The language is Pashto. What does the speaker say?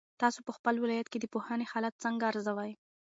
تاسو په خپل ولایت کې د پوهنې حالت څنګه ارزوئ؟